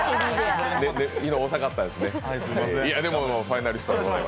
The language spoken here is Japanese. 昨日遅かったんですね。